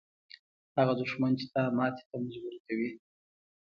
هغه دښمن چې تا ماتې ته مجبوره کوي.